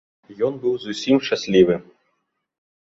Ён быў зусім шчаслівы.